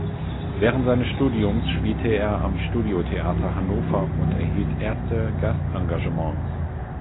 Während seines Studiums spielte er am Studiotheater Hannover und erhielt erste Gastengagements.